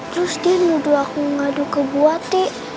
terus di nuduh aku ngadu ke buati